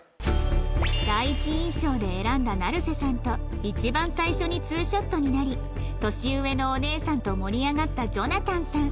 第一印象で選んだ成瀬さんと一番最初にツーショットになり年上のお姉さんと盛り上がったジョナタンさん